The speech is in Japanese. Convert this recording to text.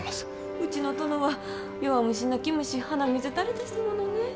うちの殿は弱虫泣き虫鼻水垂れですものね。